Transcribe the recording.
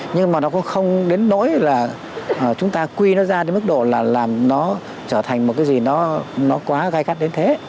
nhưng mà nó cũng không đến nỗi là chúng ta quy nó ra đến mức độ là làm nó trở thành một cái gì nó quá gai gắt đến thế